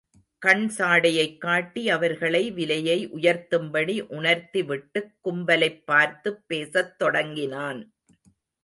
கண் சாடையைக் காட்டி அவர்களை விலையை உயர்த்தும்படி உணர்த்திவிட்டுக் கும்பலைப் பார்த்துப் பேசத் தொடங்கினான்.